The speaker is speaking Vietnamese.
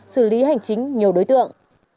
xử lý hành chính nhiều đối tượng